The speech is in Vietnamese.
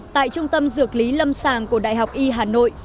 tại trung tâm dược lý lâm sàng của đại học y hà nội